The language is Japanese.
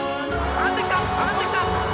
上がってきた！